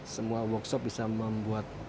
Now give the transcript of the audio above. semua workshop bisa membuat